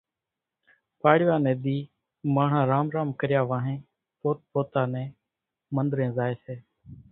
پاڙوا ني ۮي ماڻۿان رام رام ڪريا وانھين پوتا پوتا نين منۮرين زائي سي،